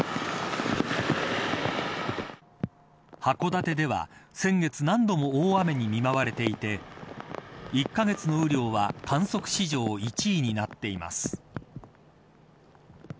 函館では先月何度も大雨に見舞われていて１カ月の雨量は観測史上、１位になっています。